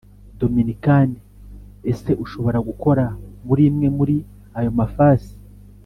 Dominikani Ese ushobora gukora muri imwe muri ayo mafasi